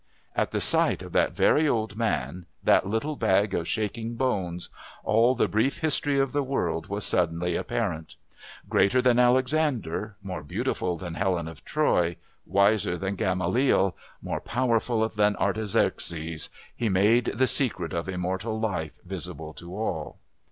At the sight of that very old man, that little bag of shaking bones, all the brief history of the world was suddenly apparent. Greater than Alexander, more beautiful than Helen of Troy, wiser than Gamaliel, more powerful than Artaxerxes, he made the secret of immortal life visible to all.